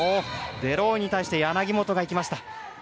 デローイに対して柳本が行きました。